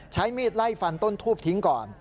ใช้มีดไล่ฟันต้นทูบทิ้งก่อน